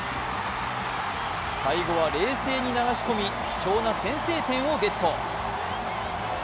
最後は冷静に流し込み貴重な先制点をゲット。